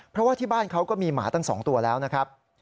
เพราะว่าที่บ้านเขาก็มีหมาตั้ง๒ตัวแล้วนะครับ